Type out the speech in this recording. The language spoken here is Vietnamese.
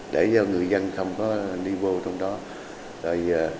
để cho người dân không bị